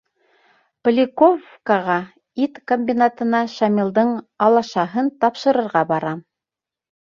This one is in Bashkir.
— Поляковкаға ит комбинатына Шамилдың алашаһын тапшырырға барам.